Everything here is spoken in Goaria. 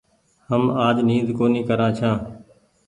هم آج نيد ڪونيٚ ڪران ڇآن۔